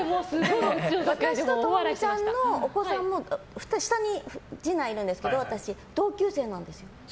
私と知美ちゃんのお子さんも下に次男がいるんですけど同級生なんです。